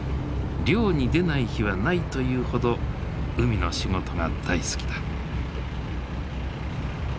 漁に出ない日はないというほど海の仕事が大好きだ。